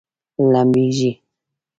لمبیږي؟